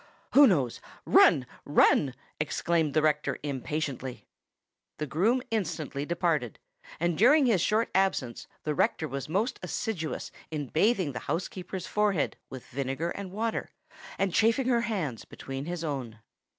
"Who knows? Run—run," exclaimed the rector impatiently. The groom instantly departed; and during his short absence the rector was most assiduous in bathing the housekeeper's forehead with vinegar and water, and chafing her hands between his own.